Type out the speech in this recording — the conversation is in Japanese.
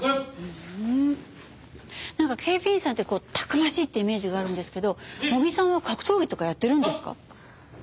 なんか警備員さんってこうたくましいってイメージがあるんですけど茂木さんは格闘技とかやってるんですか？